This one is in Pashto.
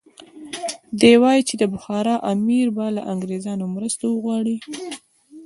دی وایي چې د بخارا امیر به له انګریزانو مرسته وغواړي.